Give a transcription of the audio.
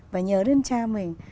và nhớ đến cha mình